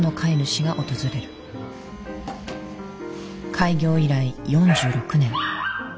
開業以来４６年。